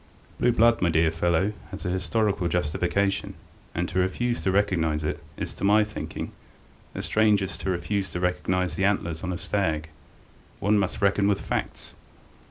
Blue blood, my dear fellow, has an historical justification, and to refuse to recognize it is, to my thinking, as strange as to refuse to recognize the antlers on a stag. One must reckon with facts!